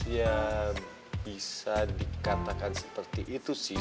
ya bisa dikatakan seperti itu sih